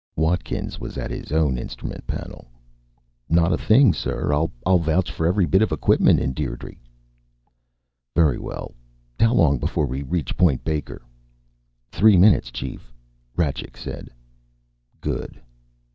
Watkins was at his own instrument panel. "Not a thing, sir. I'll vouch for every bit of equipment in Dierdre." "Very well. How long before we reach Point Baker?" "Three minutes, Chief," Rajcik said. "Good."